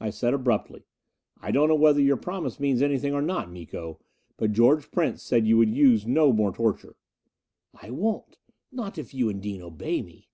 I said abruptly, "I don't know whether your promise means anything or not, Miko. But George Prince said you would use no more torture." "I won't. Not if you and Dean obey me."